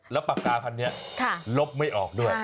แล้วปากกาคันนี้ลบไม่ออกด้วย